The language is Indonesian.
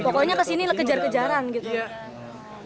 pokoknya kesini kejar kejaran gitu ya